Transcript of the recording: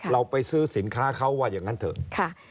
เราไปซื้อสินค้าเขาว่าอย่างนั้นเถอะ